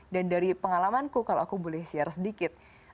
dan dari pengalamanku kalau aku boleh share sedikit